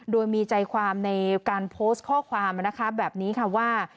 โดยมีใจความในการโพสต์ข้อความนะคะแบบนี้ค่ะว่า